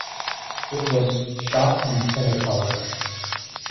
It was shot in Cinecolor.